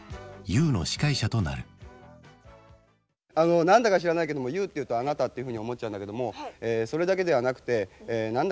あの何だか知らないけども「ＹＯＵ」っていうと「あなた」っていうふうに思っちゃうんだけどもそれだけではなくて何だかよく分からないと。